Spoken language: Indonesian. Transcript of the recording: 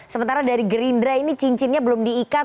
sementara dari gerindra ini cincinnya belum diikat